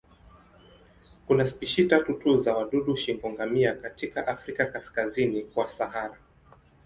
Kuna spishi tatu tu za wadudu shingo-ngamia katika Afrika kaskazini kwa Sahara.